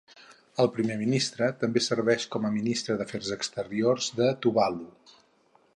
El Primer Ministre també serveix com a ministre d'Afers exteriors de Tuvalu.